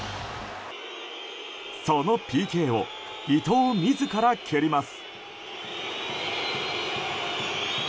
そのＰＫを伊東自ら蹴ります。